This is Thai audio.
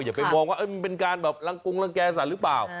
อย่าไปมองว่ามันเป็นการแบบรังกงรังแก่สัตว์หรือเปล่า